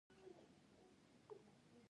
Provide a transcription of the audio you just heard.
مورغاب سیند د افغان کلتور سره نږدې تړاو لري.